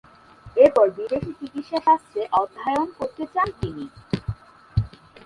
এরপর বিদেশে চিকিৎসাশাস্ত্রে অধ্যয়ন করতে চান তিনি।